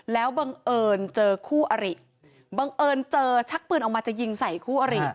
แล้วบังเอิญเจอคู่อริบังเอิญเจอชักปืนออกมาจะยิงใส่คู่อริ